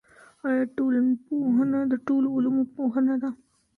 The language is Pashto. آیا ټولنپوهنه د ټولو علومو پوهنه ده؟